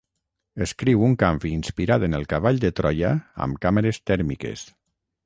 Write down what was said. Escriu un canvi inspirat en el Cavall de Troia amb càmeres tèrmiques.